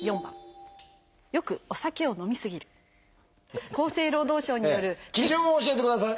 ええ基準を教えてください！